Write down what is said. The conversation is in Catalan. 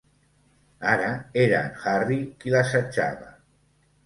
Ara era en Harry qui l'assetjava.